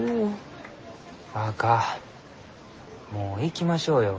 若もう行きましょうよ。